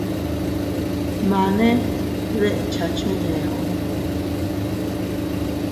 Mane dekcha cheneo.